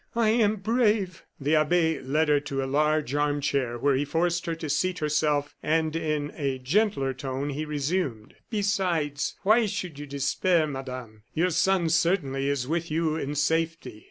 "I am brave!" The abbe led her to a large arm chair, where he forced her to seat herself, and in a gentler tone, he resumed: "Besides, why should you despair, Madame? Your son, certainly, is with you in safety.